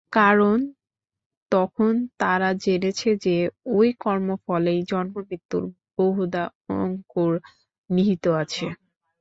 কারণ, তখন তারা জেনেছে যে, ঐ কর্মফলেই জন্মমৃত্যুর বহুধা অঙ্কুর নিহিত আছে।